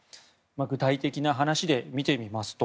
具体的な話で見てみますと